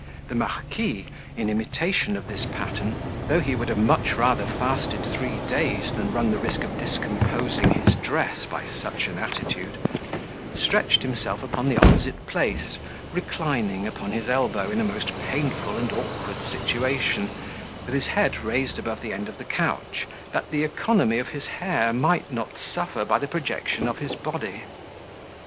The marquis, in imitation of this pattern (though he would have much rather fasted three days than run the risk of discomposing his dress by such an attitude), stretched himself upon the opposite place, reclining upon his elbow in a most painful and awkward situation, with his head raised above the end of the couch, that the economy of his hair might not suffer by the projection of his body.